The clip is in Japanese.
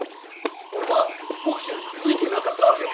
俺はボクシングに向いてなかったわけ。